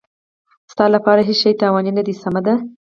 ستا لپاره هېڅ شی تاواني نه دی، سمه ده.